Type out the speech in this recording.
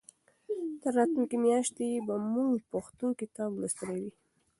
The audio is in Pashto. تر راتلونکې میاشتې به موږ پښتو کتاب لوستی وي.